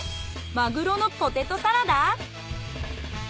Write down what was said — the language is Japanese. マグロのポテトサラダ？